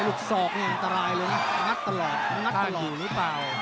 ลูกศอกนี่โตรายเลยเยี่ยมเข้า